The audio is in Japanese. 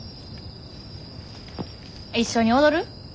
一緒に踊る？